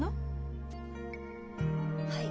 はい。